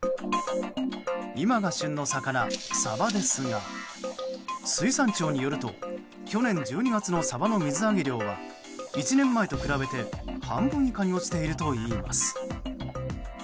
今が旬の魚、サバですが水産庁によると去年１２月のサバの水揚げ量は１年前と比べて半分以下に落ちているといいます。